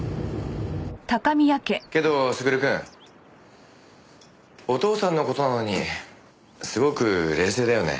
けど優くん。お父さんの事なのにすごく冷静だよね。